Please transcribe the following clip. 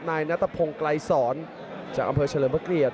นายนัตพงศ์ไกรศรจากอำเภอเฉลิมเกลียด